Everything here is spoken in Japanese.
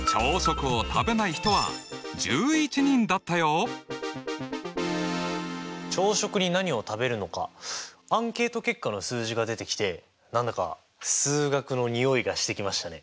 その結果は朝食に何を食べるのかアンケート結果の数字が出てきて何だか数学のにおいがしてきましたね。